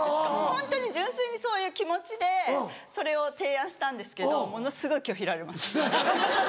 ホントに純粋にそういう気持ちでそれを提案したんですけどものすごい拒否られました。